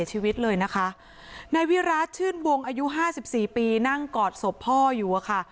ชีวิตเลยนะคะนายวิราชชื่นบวงอายุ๕๔ปีนั่งกอดศพพ่ออยู่ค่ะ